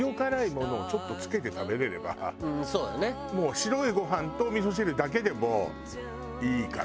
白いごはんとおみそ汁だけでもういいから。